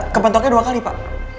kepentoknya dua kali pak